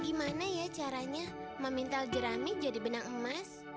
gimana ya caranya memintal jerami jadi benang emas